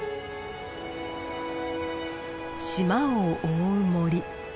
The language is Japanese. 島を覆う森。